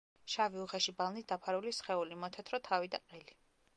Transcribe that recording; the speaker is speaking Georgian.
შავი, უხეში ბალნით დაფარული სხეული, მოთეთრო თავი და ყელი.